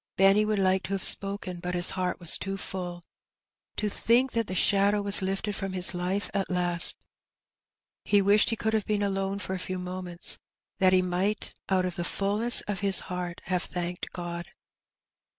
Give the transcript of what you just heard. Benny would like to have spoken^ but his heart was too full — to think that the shadow was lifted from his life at last! He wished he could have been alone for a few moments^ that he might out of the fulness of his heart have thanked God.